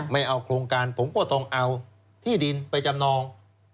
ไม่เอาโครงการผมก็ต้องเอาที่ดินไปจำนอง